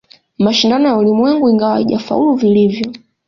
Mashindano ya Ulimwengu ingawa haijafaulu vilivyo